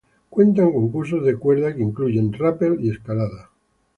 Cuentan con cursos de cuerda, que incluyen rapel y escalada.